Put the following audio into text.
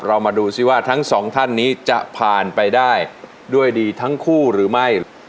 มาดูสิว่าทั้งสองท่านนี้จะผ่านไปได้ด้วยดีทั้งคู่หรือไม่